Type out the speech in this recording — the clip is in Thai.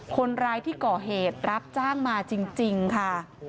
คนร้ายที่ก่อเหตุรับจ้างมาจริงค่ะ